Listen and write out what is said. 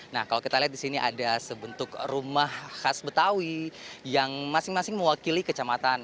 nah kalau kita lihat di sini ada sebentuk rumah khas betawi yang masing masing mewakili kecamatan